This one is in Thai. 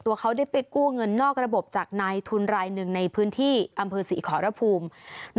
เขาได้ไปกู้เงินนอกระบบจากนายทุนรายหนึ่งในพื้นที่อำเภอศรีขอรภูมิ